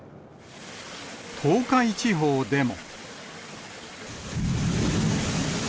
東海地方でも。